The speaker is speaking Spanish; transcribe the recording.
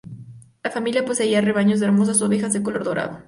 La familia poseía rebaños de hermosas ovejas de color dorado.